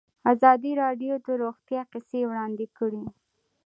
ازادي راډیو د روغتیا کیسې وړاندې کړي.